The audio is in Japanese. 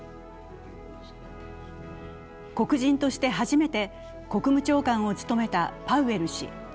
黒人として初めて国務長官を務めたパウエル氏。